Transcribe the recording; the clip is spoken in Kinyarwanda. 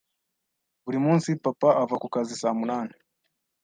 Buri munsi papa ava ku kazi saa munani.